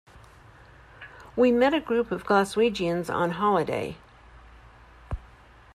We met a group of Glaswegians on holiday.